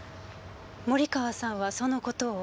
森川さんはそのことを。